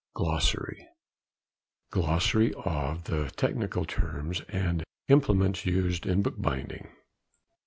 |173| GLOSSARY OF THE TECHNICAL TERMS AND IMPLEMENTS USED IN BOOKBINDING.